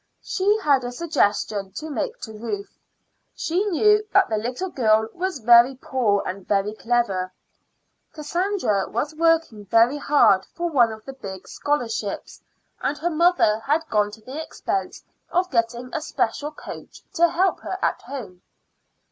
She had a suggestion to make to Ruth. She knew that the little girl was very poor and very clever. Cassandra was working very hard for one of the big scholarships, and her mother had gone to the expense of getting a special coach to help her at home.